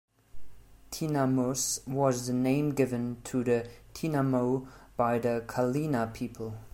"Tinamus" was the name given to the tinamou by the Kalina people.